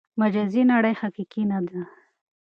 مجازي نړۍ حقیقي نه ده.